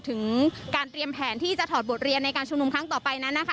ถึงการเตรียมแผนที่จะถอดบทเรียนในการชุมนุมครั้งต่อไปนั้นนะคะ